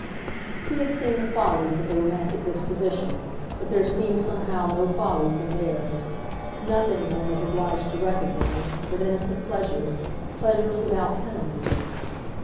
He had seen the follies of the romantic disposition, but there seemed somehow no follies in theirs nothing, one was obliged to recognise, but innocent pleasures, pleasures without penalties.